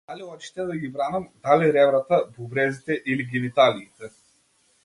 Дали очите да ги бранам, дали ребрата, бубрезите или гениталиите?